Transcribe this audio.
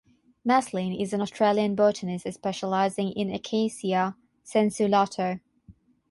Maslin is an Australian botanist specialising in "Acacia sensu lato".